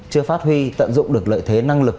chưa phát huy tận dụng được lợi thế năng lực